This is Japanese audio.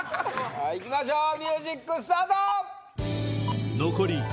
はい行きましょうミュージックスタート！